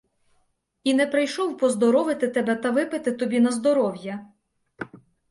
І не прийшов поздоровити тебе та випити тобі на здоров'я!